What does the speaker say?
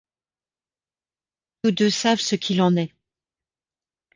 Tous deux savent ce qu’il en est.